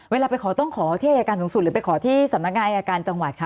เวลาไปขอต้องขอที่อายการสูงสุดหรือไปขอที่สำนักงานอายการจังหวัดคะ